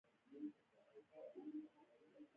ژبې د افغانانو د فرهنګي پیژندنې برخه ده.